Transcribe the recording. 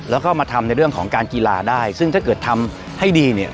แล้วก็มาทำในเรื่องของการกีฬาได้ซึ่งถ้าเกิดทำให้ดีเนี่ย